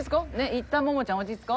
いったんモモちゃん落ち着こう。